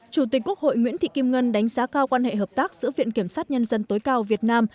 chủ tịch quốc hội nguyễn thị kim ngân đánh giá cao quan hệ hợp tác giữa viện kiểm sát nhân dân tối cao việt nam